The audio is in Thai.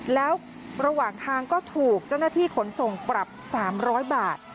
แล้วระหว่างทางก็ถูกเจ้าหน้าที่ขนส่งปรับ๓๐๐บาท